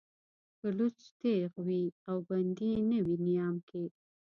چې لوڅ تېغ وي او بندي نه وي نيام کې